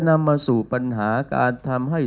นำมาสู่ปัญหาการทำให้